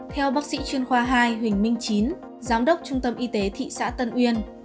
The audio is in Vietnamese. theo bác sĩ chuyên khoa hai huỳnh minh chín giám đốc trung tâm y tế thị xã tân uyên